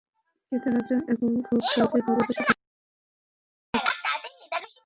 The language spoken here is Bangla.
ক্রেতারা এখন খুব সহজেই ঘরে বসে তাঁদের পণ্য অর্ডার করতে পারবেন।